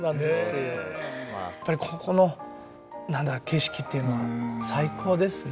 やっぱりここの景色っていうのは最高ですね。